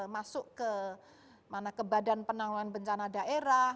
masuk ke badan penanggulan bencana daerah